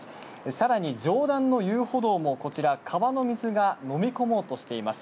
さらに上段の遊歩道もこちら、川の水が飲み込もうとしています。